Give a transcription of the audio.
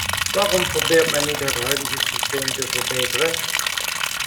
Waarom probeert men niet het huidige systeem te verbeteren?